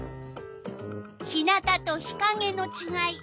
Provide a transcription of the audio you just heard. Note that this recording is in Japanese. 日なたと日かげのちがい。